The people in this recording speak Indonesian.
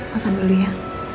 makan dulu ya